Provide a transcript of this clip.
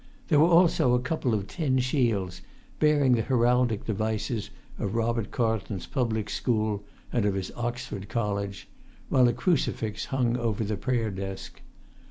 There were also a couple of tin shields, bearing the heraldic devices of Robert Carlton's public school and of his Oxford college, while a crucifix hung over the prayer desk.